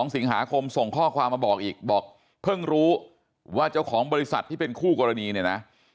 ๒สิงหาคมส่งข้อความมาบอกอีกบอกเพิ่งรู้ว่าเจ้าของบริษัทที่เป็นคู่กรณีเนี่ยนะ